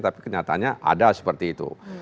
tapi kenyataannya ada seperti itu